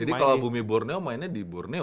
jadi kalau bumi borneo mainnya di borneo